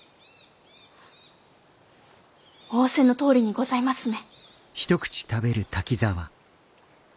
仰せのとおりにございますね。